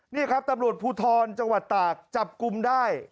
นี่ครับตำรวจภูทรจังหวัดตากจับกลุ่มได้